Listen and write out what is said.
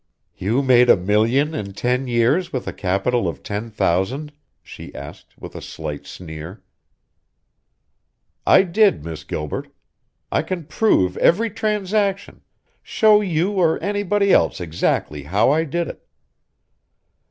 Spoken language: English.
"You made a million in ten years with a capital of ten thousand?" she asked, with a slight sneer. "I did, Miss Gilbert! I can prove every transaction, show you or anybody else exactly how I did it.